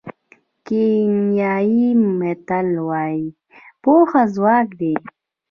کینیايي متل وایي پوهه ځواک دی.